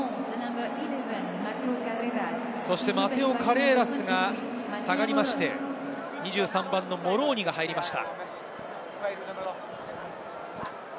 そしてマテオ・カレーラスが下がって２３番のモローニが入りました。